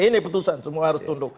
ini putusan semua harus tunduk